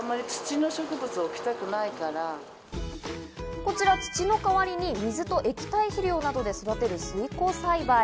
こちら土の代わりに水と液体肥料などで育てる水耕栽培。